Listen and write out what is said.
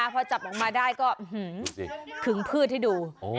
พอจับออกมาได้ก็ขึงพืชให้ดู